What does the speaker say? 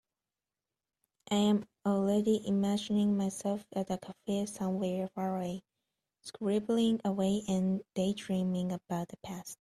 I am already imagining myself at a cafe somewhere far away, scribbling away and daydreaming about the past.